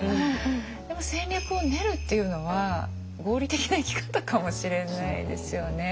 でも戦略を練るっていうのは合理的な生き方かもしれないですよね。